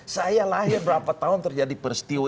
saya lahir berapa tahun terjadi peristiwa